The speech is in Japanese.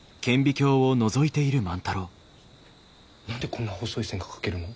何でこんな細い線が描けるの？